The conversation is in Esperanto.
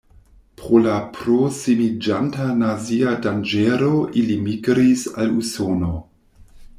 Pro la prosimiĝanta nazia danĝero ili migris al Usono.